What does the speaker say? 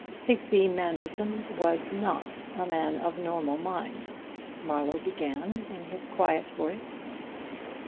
"Sigsbee Manderson was not a man of normal mind," Marlowe began in his quiet voice.